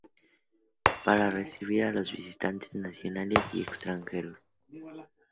Para recibir a los visitantes nacionales y extranjeros.